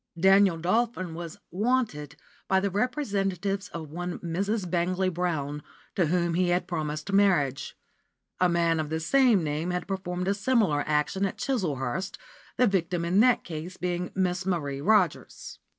Daniel Dolphin was "wanted" by the representatives of one Mrs. Bangley Brown, to whom he had promised marriage; a man of the same name had performed a similar action at Chislehurst, the victim in that case being Miss Marie Rogers.